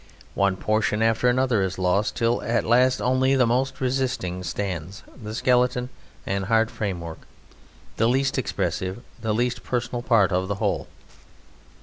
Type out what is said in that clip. One portion after another is lost, until at last only the most resisting stands the skeleton and hard framework, the least expressive, the least personal part of the whole.